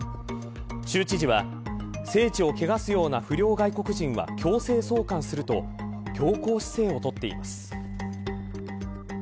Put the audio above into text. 州知事は聖地を汚すような不良外国人は強制送還すると強硬姿勢をとっています。